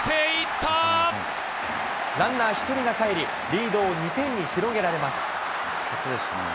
ランナー１人がかえり、リードを２点に広げられます。